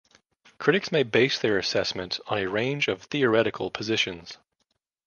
Critics may base their assessment on a range of theoretical positions.